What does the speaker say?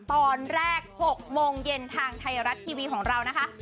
ตอนแรก๖โมงเย็นทางไทยรัฐทีวีของเรานะคะ